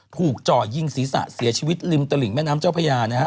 จ่อยิงศีรษะเสียชีวิตริมตลิ่งแม่น้ำเจ้าพญานะฮะ